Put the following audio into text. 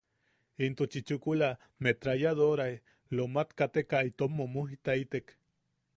Intuchi chukula metrayadorae lomat kateka itom mumujitaitek.